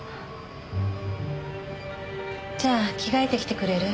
じゃあ着替えてきてくれる？